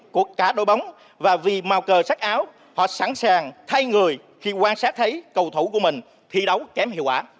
cuộc cả đội bóng và vì màu cờ sắc áo họ sẵn sàng thay người khi quan sát thấy cầu thủ của mình thi đấu kém hiệu quả